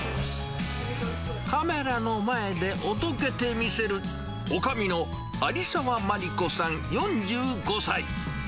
カメラの前でおどけて見せるおかみの有澤まりこさん４５歳。